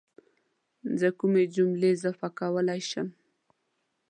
زه کومې جملې اضافه کولی شم